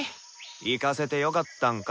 行かせてよかったんか？